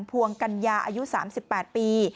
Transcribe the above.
ภวงกัญญาอายุ๓๘ปี